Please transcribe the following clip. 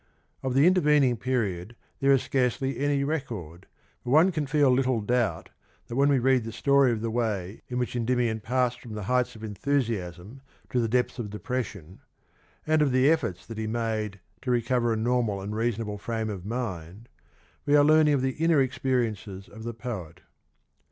Of the intervening period there is scarcely any record, but one can feel little doubt that when we read the story of the way in which Endymion passed from the heights of enthusiasm to the depths of depression, and of the efforts that he made to recover a normal and reasonable frame of mind,^ we are learning of the inner experiences of the poet.